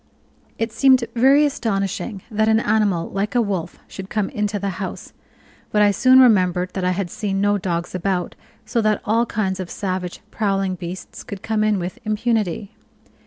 It seemed very astonishing that an animal like a wolf should come into the house; but I soon remembered that I had seen no dogs about, so that all kinds of savage, prowling beasts could come in with impunity.